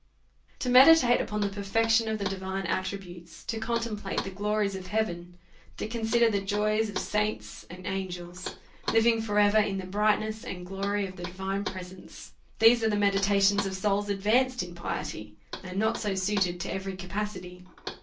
To meditate upon the perfection of the divine attri butes, to contemplate the glories of heaven, to con sider the joys of saints and angels living for ever in the brightness and glory of the divine presence; these are the meditations of souls advanced in piety, and not so suited to every capacity.